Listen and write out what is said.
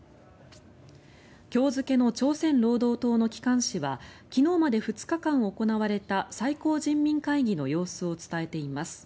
今日付の朝鮮労働党の機関紙は昨日まで２日間行われた最高人民会議の様子を伝えています。